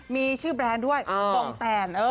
มีชื่อแบรนด์ด้วยปองแตน